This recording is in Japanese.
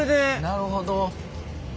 なるほど。